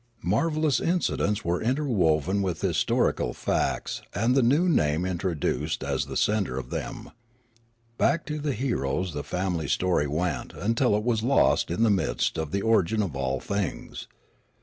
Marvellous incidents were interwoven with historical facts and the new name introduced as the centre of them. Back to the heroes the family story went until it was lost in the mists of the origin of all things.